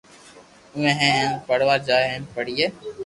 آوي ھي ھين پڙوا جائين ھين پڙئي